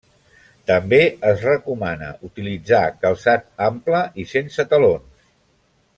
També es recomana utilitzar calçat ample i sense talons.